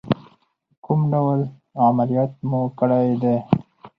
کوم ډول عملیات مو کړی دی؟